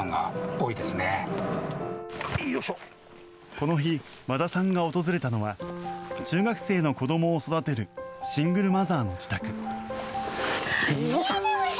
この日、和田さんが訪れたのは中学生の子どもを育てるシングルマザーの自宅。